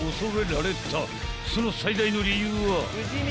［その最大の理由は］